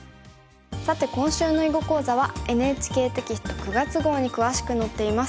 さて今週の囲碁講座はＮＨＫテキスト９月号に詳しく載っています。